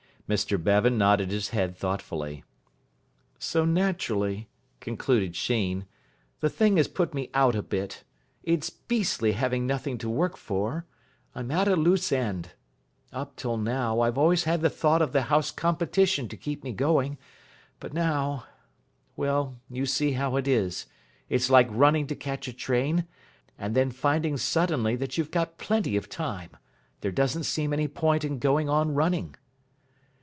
Mr Bevan nodded his head thoughtfully. "So naturally," concluded Sheen, "the thing has put me out a bit. It's beastly having nothing to work for. I'm at a loose end. Up till now, I've always had the thought of the House Competition to keep me going. But now well, you see how it is. It's like running to catch a train, and then finding suddenly that you've got plenty of time. There doesn't seem any point in going on running."